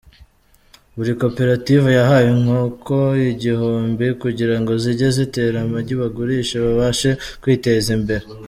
buri koperative yahawe inkoko igihumbi kugira ngo zijye zitera amagi bagurishe babashe kwiteza imbere.